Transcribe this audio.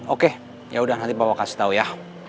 oke yaudah nanti bapak kasih tau ya